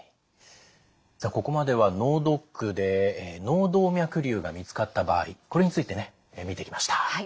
さあここまでは脳ドックで脳動脈瘤が見つかった場合これについて見てきました。